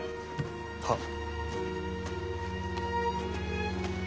はっ。